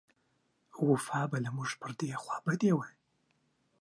وفا به له موږ پر دې خوابدۍ و.